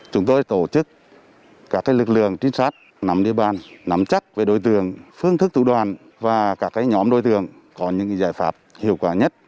chúng tôi tổ chức các lực lượng trinh sát nắm địa bàn nắm chắc về đối tượng phương thức thủ đoàn và các nhóm đối tượng có những giải pháp hiệu quả nhất